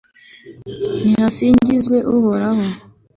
nihasingizwe uhoraho